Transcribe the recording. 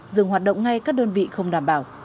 dừng hoạt động ngay các đơn vị không đảm bảo